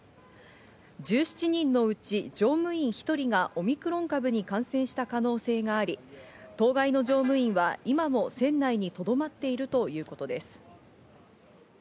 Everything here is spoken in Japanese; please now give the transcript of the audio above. １７人のうち乗務員１人がオミクロン株に感染した可能性があり、当該の乗務員は今も船内にとどまっているということです。